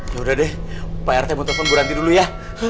yaudah deh pak rete mau telepon gue ranti dulu ya